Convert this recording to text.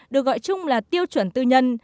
được gọi chung là tiêu chuẩn tư nhân